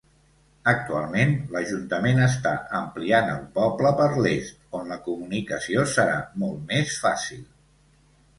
Actualment l'ajuntament està ampliant el poble per l'est on la comunicació serà molt més fàcil.